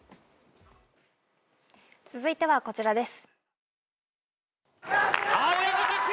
続いてはこちらです。